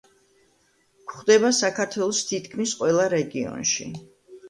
გვხვდება საქართველოს თითქმის ყველა რეგიონში.